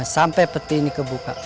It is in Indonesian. sampai peti ini kebuka